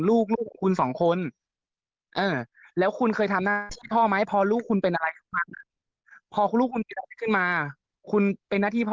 ลูกลูกคุณสองคนแล้วคุณเคยทำหน้าที่พ่อไหมพอลูกคุณเป็นอะไรพอคุณลูกคุณมีอะไรขึ้นมาคุณเป็นหน้าที่พ่อ